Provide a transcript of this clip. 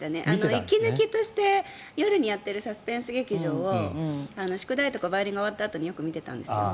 息抜きとして、夜にやっている「サスペンス劇場」を宿題とかバイオリンが終わったあとによく見ていたんですよ。